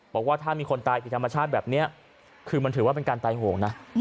บอกว่าถ้ามีคนตายผิดธรรมชาติแบบนี้คือมันถือว่าเป็นการตายโหงนะ